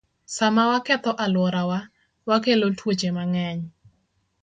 Sama waketho alworawa, wakelo tuoche mang'eny.